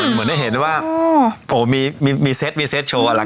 เหมือนได้เห็นว่าโอ้มีเซตโชว์อ่ะล่ะค่ะ